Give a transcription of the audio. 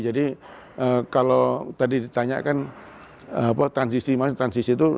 jadi kalau tadi ditanyakan apa transisi transisi itu